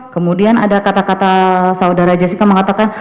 kemudian ada kata kata saudara jessica mengatakan